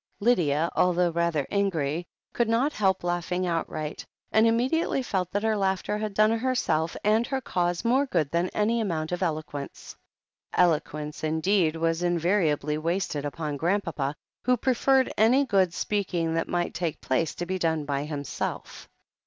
Lydia, although rather angry, could not help laugh ing outright, and immediately felt that her laughter had done herself and her cause more good than any amount of eloquence. Eloquence indeed was invariably wasted upon Grandpapa, who preferred any good speaking that might take place to be done by himself.